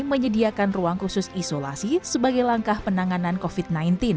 menyediakan ruang khusus isolasi sebagai langkah penanganan covid sembilan belas